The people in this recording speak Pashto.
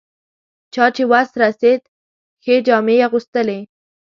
چا چې وس رسېد ښې جامې یې اغوستلې.